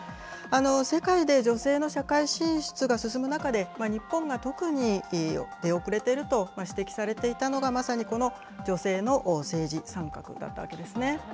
世界で女性の社会進出が進む中で、日本が特に出遅れていると指摘されていたのがまさにこの女性の政治参画だったわけですね。